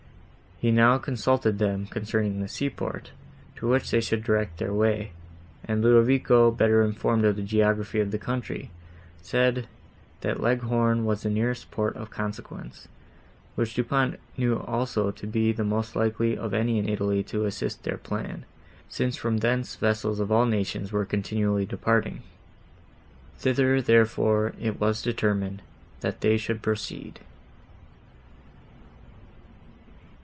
He now consulted them, concerning the sea port, to which they should direct their way, and Ludovico, better informed of the geography of the country, said, that Leghorn was the nearest port of consequence, which Du Pont knew also to be the most likely of any in Italy to assist their plan, since from thence vessels of all nations were continually departing. Thither, therefore, it was determined, that they should proceed.